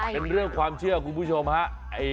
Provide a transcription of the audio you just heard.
เป็นเรื่องความเชื่อคุณผู้ชมฮะ